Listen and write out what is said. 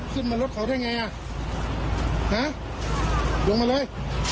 ขึ้นมารถเขาได้ไงอ่ะอ่ะลงมาเลย